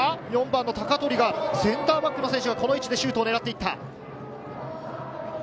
鷹取が、センターバックの選手がこの位置でシュートを狙っていった。